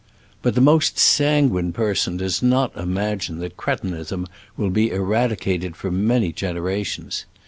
But the most sanguine person does not imagine that cretinism will be eradi cated for many generations.